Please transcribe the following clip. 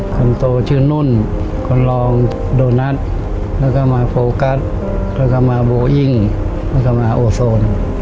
คนโตชื่อนุ่นคนรองโดนัทแล้วก็มาโฟกัสแล้วก็มาโบอิ้งแล้วก็มาโอโซน